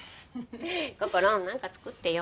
こころなんか作ってよ。